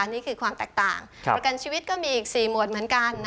นี่คือความแตกต่างประกันชีวิตก็มีอีก๔หมวดเหมือนกัน